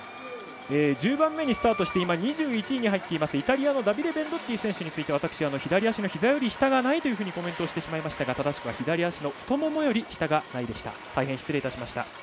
１０番目にスタートして今、２１位に入っているイタリアのダビデ・ベンドッティ選手について私、左足のひざより下がないとコメントしてしまいましたが正しくは左足に太ももより下がないでした。